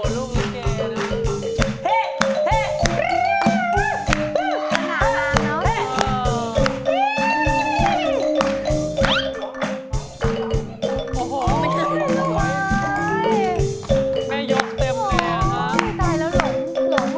ซึลัมสวยนะครับ